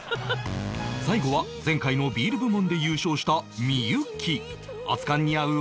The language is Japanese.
最後は前回のビール部門で優勝した幸